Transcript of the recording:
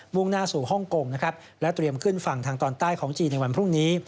่งหน้าสู่ฮ่องกงนะครับและเตรียมขึ้นฝั่งทางตอนใต้ของจีนในวันพรุ่งนี้